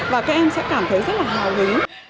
và các em sẽ cảm thấy rất là hào hứng